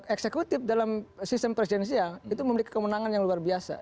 eksekutif dalam sistem presidensial itu memiliki kemenangan yang luar biasa